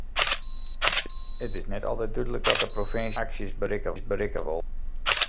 It is net altyd dúdlik wat de provinsje met dy aksjes berikke wol.